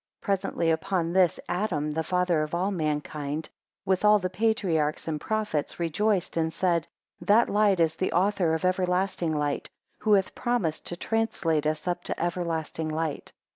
4 Presently upon this, Adam, the father of all mankind, with all the patriarchs and prophets, rejoiced and said, That light is the author of everlasting light, who hath promised to translate us to everlasting light.